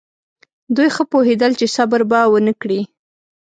دوی ښه پوهېدل چې صبر به ونه کړي.